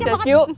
udah siap csq